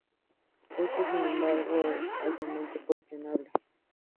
Esto, sin embargo, es altamente cuestionable.